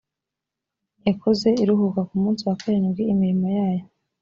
yakoze iruhuka ku munsi wa karindwi imirimo yayo